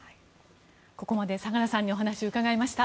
ここまで相良さんにお話を伺いました。